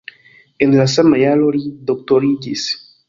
En la sama jaro li doktoriĝis.